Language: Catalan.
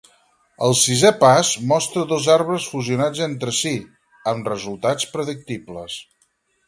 El sisè pas mostra dos arbres fusionats entre si, amb resultats predictibles.